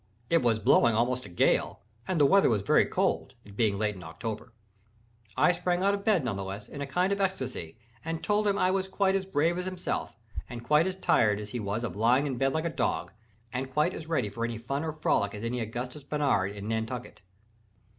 It was blowing almost a gale, and the weather was very cold—it being late in October. I sprang out of bed, nevertheless, in a kind of ecstasy, and told him I was quite as brave as himself, and quite as tired as he was of lying in bed like a dog, and quite as ready for any fun or frolic as any Augustus Barnard in Nantucket.